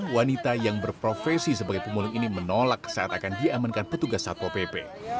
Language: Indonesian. wanita yang berprofesi sebagai pemulung ini menolak saat akan diamankan petugas satpo pp